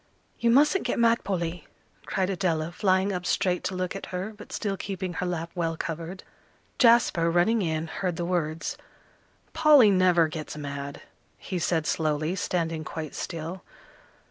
"You mustn't get mad, Polly," cried Adela, flying up straight to look at her, but still keeping her lap well covered. Jasper, running in, heard the words. "Polly never gets mad," he said slowly, standing quite still.